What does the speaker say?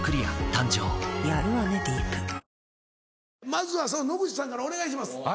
まずは野口さんからお願いします。